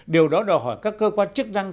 điều đó đòi hỏi các cơ quan chức năng